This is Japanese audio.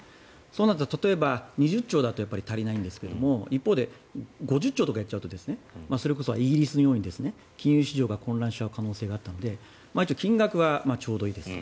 そうなると、例えば２０兆だと足りないんですけども一方で、５０兆とか言っちゃうとそれこそイギリスのように金融市場が混乱しちゃう可能性があったので金額はちょうどいいですと。